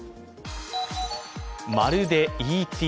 まるで「Ｅ．Ｔ．」。